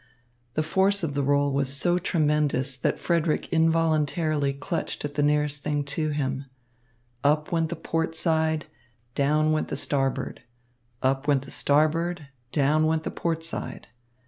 The force of the roll was so tremendous that Frederick involuntarily clutched at the thing nearest to him. Up went the port side, down went the starboard. Up went the starboard, down went the port side.